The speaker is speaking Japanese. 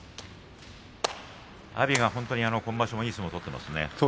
阿炎が今場所もいい相撲を取ってますね。